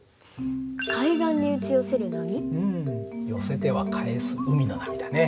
うん寄せては返す海の波だね。